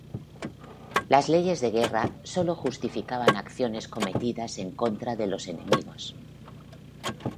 Las Leyes de Guerra sólo justificaban acciones cometidas en contra de los enemigos.